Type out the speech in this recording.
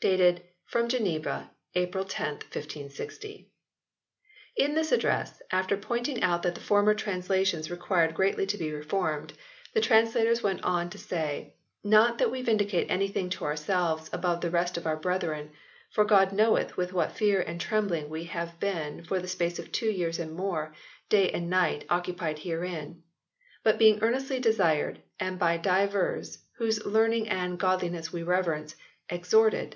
dated "from Geneva, 10 April, 1560." In this Address, after pointing out that the former translations required greatly to be reformed, the translators went on to say, "Not that we vindicate anything to ourselves above the rest of our brethren (for God knoweth with what fear and trembling we have been for the space of two years and more, day and night, occu pied herein), but being earnestly desired, and by divers, whose learning and godliness we reverence, exhorted